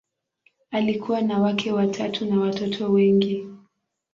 Alikuwa na wake watatu na watoto wengi.